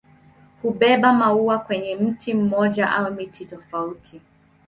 Hubeba maua kwenye mti mmoja au miti tofauti.